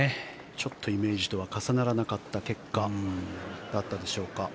ちょっとイメージとは重ならなかった結果だったでしょうか。